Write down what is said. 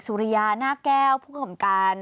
สุริยาหน้าแก้วผู้กำกับการ